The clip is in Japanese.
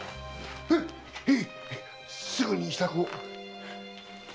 へいすぐに支度を！